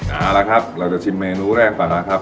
เอาละครับเราจะชิมเมนูแรกก่อนนะครับ